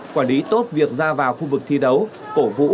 quản lý tốt việc ra vào khu vực thi đấu cổ vũ